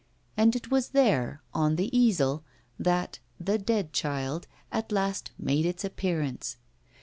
And it was there, 'on the easel,' that 'The Dead Child' at last made its appearance.